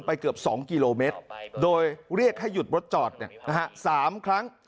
เกือบ๒กิโลเมตรโดยเรียกให้หยุดรถจอด๓ครั้ง